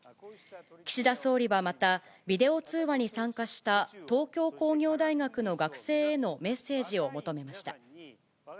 岸田総理はまた、ビデオ通話に参加した東京工業大学の学生へのメッセージを求めました。